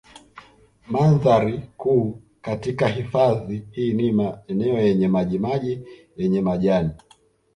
Mandhari kuu katika hifadhi hii ni maeneo yenye maji maji yenye majani